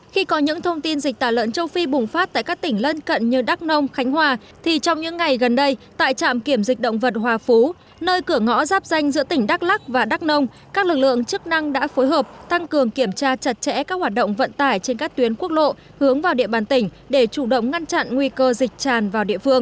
khi có những thông tin dịch tả lợn châu phi bùng phát tại các tỉnh lân cận như đắk nông khánh hòa thì trong những ngày gần đây tại trạm kiểm dịch động vật hòa phú nơi cửa ngõ giáp danh giữa tỉnh đắk lắc và đắk nông các lực lượng chức năng đã phối hợp tăng cường kiểm tra chặt chẽ các hoạt động vận tải trên các tuyến quốc lộ hướng vào địa bàn tỉnh để chủ động ngăn chặn nguy cơ dịch tràn vào địa phương